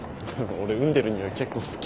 俺膿んでるにおい結構好き。